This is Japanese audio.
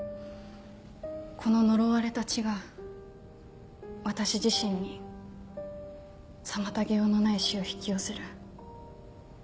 この呪われた血が私自身にさまたげようのない死を引き寄せる。